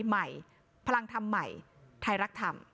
ใหม่พลังธรรมใหม่ไทยรักธรรม